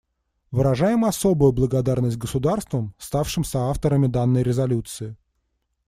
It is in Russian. Выражаем особую благодарность государствам, ставшим соавторами данной резолюции.